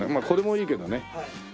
これもいいけどね。